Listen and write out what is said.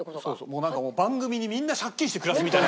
もうなんか番組にみんな借金して暮らすみたいな。